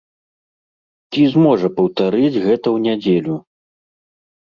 Ці зможа паўтарыць гэта ў нядзелю?